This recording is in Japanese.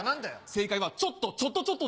正解は「ちょっとちょっとちょっと」。